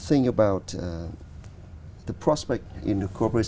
những gì mà các nhà công tác